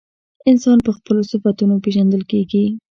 انسان پر خپلو صفتونو پیژندل کیږي.